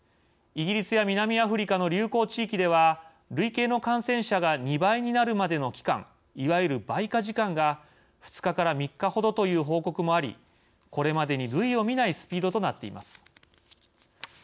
イギリスや南アフリカの流行地域では累計の感染者が２倍になるまでの期間いわゆる倍加時間が２日から３日ほどという報告もありこれまでに類を見ないスピードとなっています。